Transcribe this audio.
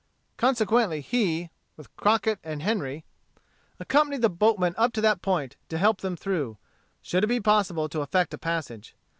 Consequently he, with Crockett and Henry, accompanied the boatmen up to that point to help them through, should it be possible to effect a passage.